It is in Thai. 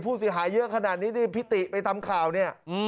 ผู้เสียหายเยอะขนาดนี้ที่พิติไปทำข่าวเนี่ย